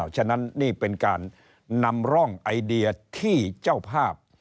ฉะนั้นนี่เป็นการนำร่องไอเดียที่เจ้าภาพ